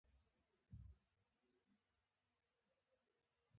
تر لاندې د سرو سکروټو غمي ځلېدل.